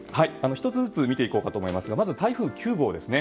１つずつ見ていこうかと思いますがまず台風９号ですね。